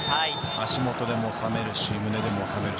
足元でも収めるし、胸でも収めるし。